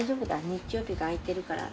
日曜日があいてるから。